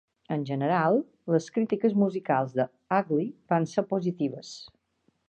En general, les crítiques musicals de "Ugly" van ser positives.